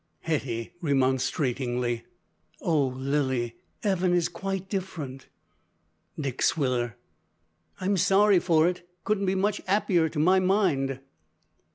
(Hetty, remonstratingly.) "Oh! Lilly, 'eaven is quite different." (Dick Swiller.) "I'm sorry for it. Couldn't be much 'appier to my mind."